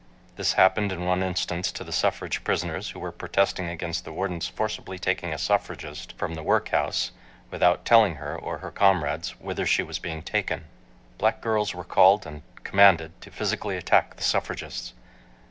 This happened in one instance to the suffrage prisoners who were protesting against the warden's forcibly taking a suffragist from the workhouse without telling her or her comrades whither she was being taken. Black girls were called and commanded to physically attack the suffragists.